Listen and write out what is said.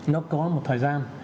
nó có một thời gian